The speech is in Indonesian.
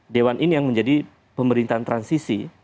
dewan ini yang menjadi pemerintahan transisi